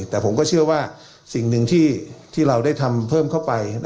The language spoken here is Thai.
แต่ผมก็เชื่อว่าสิ่งหนึ่งที่เราได้ทำเพิ่มเข้าไป